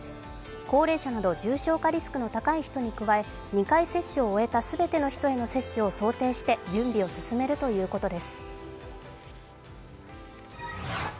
高齢者など重症化リスクの高い人に加え、２回接種を終えた全ての人への接種を想定して準備を進めるということです。